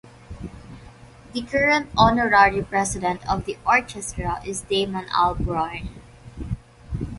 The current honorary President of the orchestra is Damon Albarn.